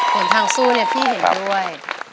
หนทางสู้เนี่ยพี่เห็นด้วย